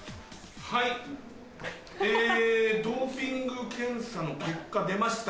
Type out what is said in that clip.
はいえドーピング検査の結果出ました。